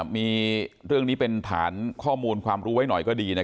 มีเรื่องนี้เป็นฐานข้อมูลความรู้ไว้หน่อยก็ดี